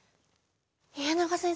家長先生